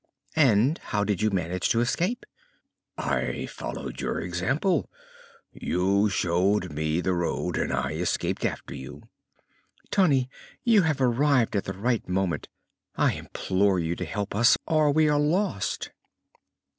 "And how did you manage to escape?" "I followed your example. You showed me the road, and I escaped after you." "Tunny, you have arrived at the right moment! I implore you to help us or we are lost."